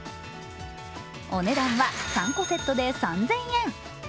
お値段は３個セットで３０００円。